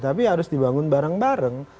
tapi harus dibangun bareng bareng